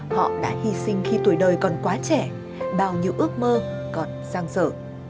họ đã hy sinh khi tuổi đời còn quá trẻ bao nhiêu ước mơ còn giang sở